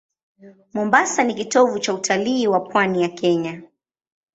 Mombasa ni kitovu cha utalii wa pwani ya Kenya.